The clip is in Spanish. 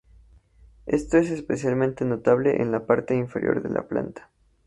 Esto es especialmente notable en la parte inferior de la planta.